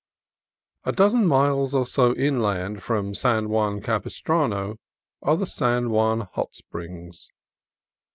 A dozen miles or so inland from San Juan Capis trano are the San Juan Hot Springs.